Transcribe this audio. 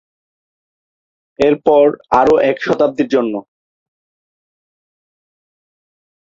এরপর আরও এক শতাব্দীর জন্য।